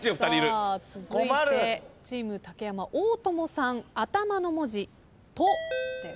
続いてチーム竹山大友さん。頭の文字「と」です。